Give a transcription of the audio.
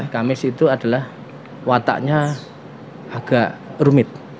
kamis itu adalah wataknya agak rumit